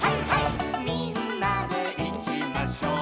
「みんなでいきましょう」